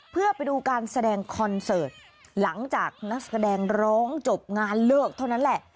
เพื่อไปดูการแสดงคอนเสิร์ตหลังจากนักแสดงร้องจบงานเลิกเท่านั้นแหละ